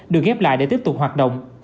được ghép lại để tiếp tục hoạt động